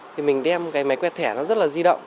thì mình đem cái máy quẹt thẻ nó rất là di động